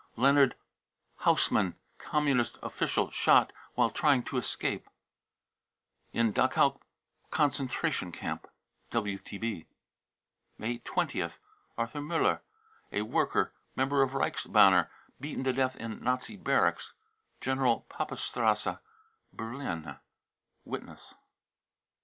leonhard hausmann, Communist official, shot " whj trying to escape 55 in Dachau concentration camp. (WTB { May 20th. Arthur muller, a worker, member of Reichsbannj f beaten to death in Nazi barracks, General Papestrasse, Berli (Witness.)